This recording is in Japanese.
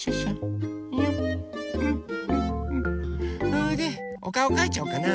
それでおかおかいちゃおうかな。